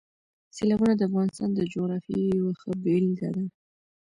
سیلابونه د افغانستان د جغرافیې یوه ښه بېلګه ده.